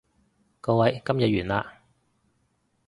各位，今日完啦